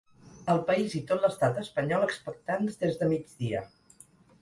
El país i tot l’estat espanyol expectants des de migdia.